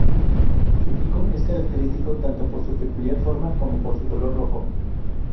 Su pico es característico, tanto por su peculiar forma como por su color rojo.